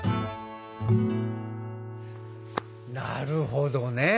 なるほどね。